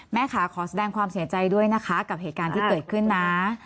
แม่ค่ะขอแสดงความเสียใจด้วยนะคะกับเหตุการณ์ที่เกิดขึ้นนะ